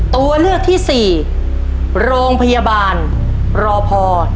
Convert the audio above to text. ตัวเลือกที่๔โรงพยาบาลรอพอ